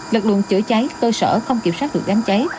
lật luận chữa cháy tôi sợ không kiểm soát được đám cháy